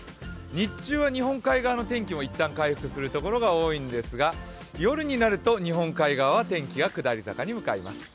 日中は日本海側の天気もいったん回復するところも多いんですが、夜になると日本海側は天気が下り坂に向かいます。